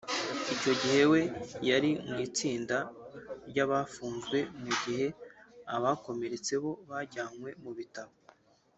Icyo gihe we yari mu itsinda ry’abafunzwe mu gihe abakomeretse bo bajyanwe mu bitaro